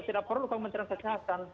tidak perlu kementerian kesehatan